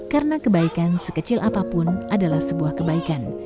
karena kebaikan sekecil apapun adalah sebuah kebaikan